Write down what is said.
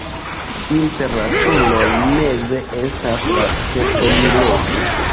Inter la turoj meze estas la ĉefenirejo.